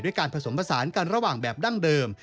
การผสมผสานกันระหว่างแบบดั้งเดิม